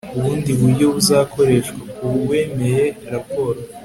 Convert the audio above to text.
ubundi buryo buzakoreshwa ku wemeye raporo